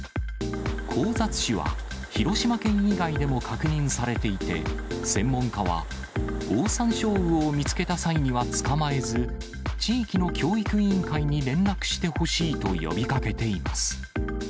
交雑種は広島県以外でも確認されていて、専門家は、オオサンショウウオを見つけた際には捕まえず、地域の教育委員会に連絡してほしいと呼びかけています。